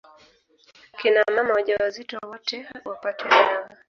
Kina mama wajawazito wote wapate dawa